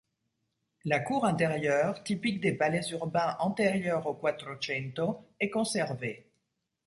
La cour intérieure typique des palais urbains antérieurs au Quattrocento est conservée.